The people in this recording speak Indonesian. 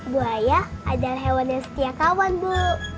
buaya adalah hewan yang setia kawan bu